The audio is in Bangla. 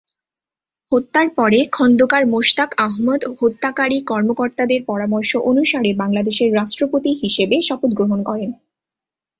হত্যার পরে, খোন্দকার মোশতাক আহমদ হত্যাকারী কর্মকর্তাদের পরামর্শ অনুসারে বাংলাদেশের রাষ্ট্রপতি হিসাবে শপথ গ্রহণ করেন।